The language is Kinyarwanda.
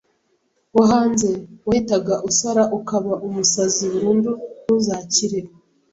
wo hanze wahitaga usara ukaba umusazi burundu ntuzakire